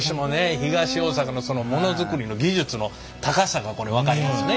東大阪のモノづくりの技術の高さがこれ分かりますね。